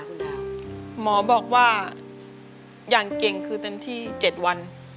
หมอบอกว่าอย่างเก่งคือเต็มที่๗วัน